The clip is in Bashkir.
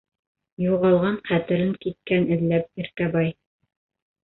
Юғалған Хәтерен киткән эҙләп Иркәбай.